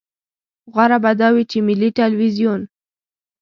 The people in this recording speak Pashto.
غوره به دا وي چې ملي ټلویزیون.